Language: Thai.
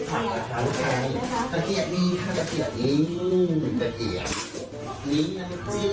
พี่ใหญ่พี่ใหญ่เลยนะไม่ทางเอาเยอะแล้วนะครับ